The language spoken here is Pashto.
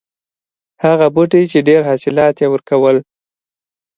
هغه بوټی چې ډېر حاصلات یې ورکول.